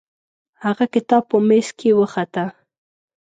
هغه کتاب په میز کې وخته.